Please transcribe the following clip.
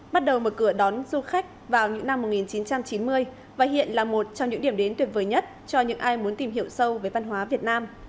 bắt đầu mở cửa đón du khách vào những năm một nghìn chín trăm chín mươi và hiện là một trong những điểm đến tuyệt vời nhất cho những ai muốn tìm hiểu sâu về văn hóa việt nam